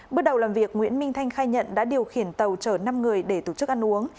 bước đầu làm việc nguyễn minh thanh khai nhận đã điều khiển tàu chở năm người để tổ chức ăn uống